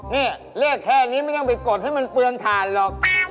นี่เรียกแค่นี้ไม่ต้องไปกดให้มันเปลืองถ่านหรอก